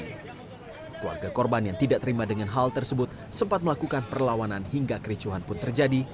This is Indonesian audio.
keluarga korban yang tidak terima dengan hal tersebut sempat melakukan perlawanan hingga kericuhan pun terjadi